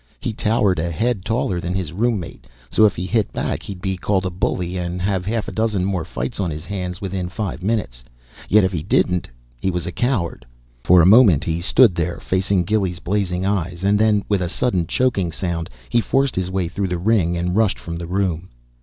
He towered a head taller than his roommate, so if he hit back he'd be called a bully and have half a dozen more fights on his hands within five minutes; yet if he didn't he was a coward. For a moment he stood there facing Gilly's blazing eyes, and then, with a sudden choking sound, he forced his way through the ring and rushed from the room.